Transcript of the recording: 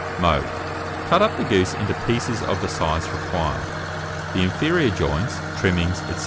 Mode. Cut up the goose into pieces of the size required; the inferior joints, trimmings, &c.